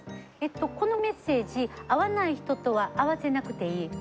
このメッセージ合わない人とは合わせなくていい。